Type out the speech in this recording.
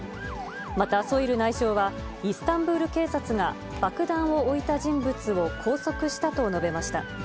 また、ソイル内相は、イスタンブール警察が、爆弾を置いた人物を拘束したと述べました。